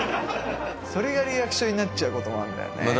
それがリアクションになっちゃうこともあるんだよね。